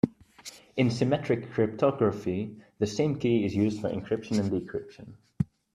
In symmetric cryptography the same key is used for encryption and decryption.